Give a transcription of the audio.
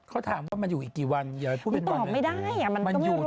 เค้าถามว่ามันอยู่อีกกี่วันอย่าพูดไม่ได้มันก็ไม่รู้